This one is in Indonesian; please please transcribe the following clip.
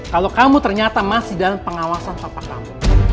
kalo kamu ternyata masih dalam pengawasan sampah kamu